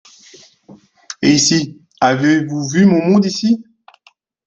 Et Ici ? avez vous vu mon monde ici ?